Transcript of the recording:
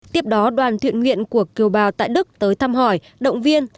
tiếp đó đoàn thiện nguyện của kiều bào tại đức tới thăm hỏi động viên